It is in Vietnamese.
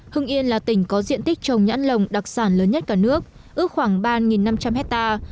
hưng yên là tỉnh có diện tích trồng nhãn lồng đặc sản lớn nhất cả nước ước khoảng ba năm trăm linh hectare